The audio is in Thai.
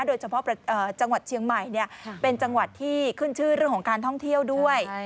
โดยเฉพาะจังหวัดเชียงใหม่เป็นจังหวัดที่ขึ้นชื่อเรื่องของการท่องเที่ยวด้วย